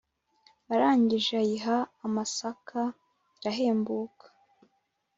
arangije ayiha amasaka irahembuka.